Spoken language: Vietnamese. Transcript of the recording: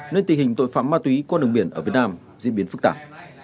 nên tình hình tội phạm ma túy qua đường biển ở việt nam diễn biến phức tạp